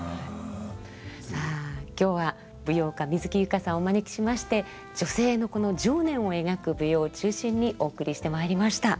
さあ今日は舞踊家水木佑歌さんをお招きしまして女性の情念を描く舞踊を中心にお送りしてまいりました。